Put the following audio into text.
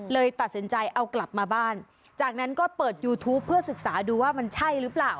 เลยตัดสินใจเอากลับมาบ้านจากนั้นก็เปิดยูทูปเพื่อศึกษาดูว่ามันใช่หรือเปล่า